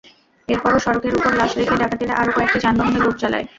এরপরও সড়কের ওপর লাশ রেখে ডাকাতেরা আরও কয়েকটি যানবাহনে লুট চালায়।